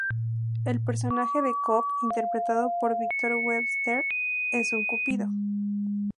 El personaje de Coop, interpretado por Victor Webster, es un cupido.